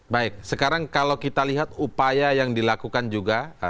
baik sekarang kalau kita lihat upaya yang dilakukan juga